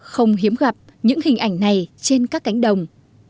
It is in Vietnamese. không hiếm gặp những hình ảnh này trên các cánh đồng